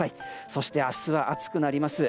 そして明日は暑くなります。